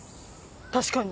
確かに。